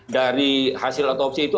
dari hasil otopsi itu